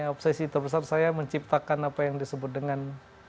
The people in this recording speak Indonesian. obsesi terbesar saya menciptakan apa yang disebut dengan